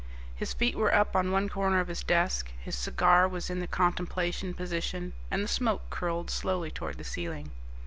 His feet were up on one corner of his desk, his cigar was in the Contemplation Position, and the smoke curled slowly toward the ceiling.